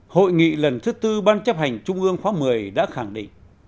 hội nghị lần thứ tư ban chấp hành trung ương khóa một mươi đã khẳng định